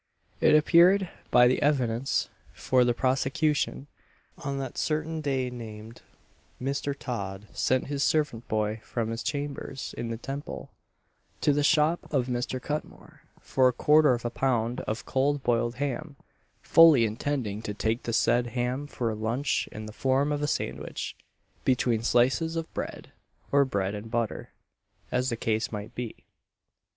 It appeared by the evidence for the prosecution, that on a certain day named, Mr. Todd sent his servant boy, from his chambers in the Temple, to the shop of Mr. Cutmore, for a quarter of a pound of cold boiled ham fully intending to take the said ham for a lunch in the form of a sandwich, between slices of bread, or bread and butter, as the case might be.